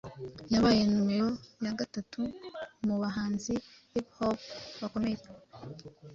Yabaye Numero ya gatatu mu bahanzi hiphop bakomeye.